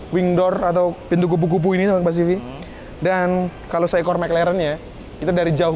wing door atau pintu kupu kupu ini pasivi dan kalau seekor mclaren ya itu dari jauh